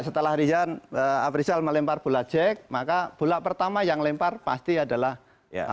setelah rizal melempar bola jack maka bola pertama yang lempar pasti adalah afrizal